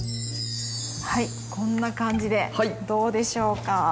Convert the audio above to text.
こんな感じでどうでしょうか？